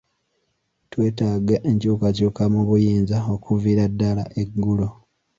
Twetaaga enkyukakyuka mu buyinza okuviira ddala eggulo.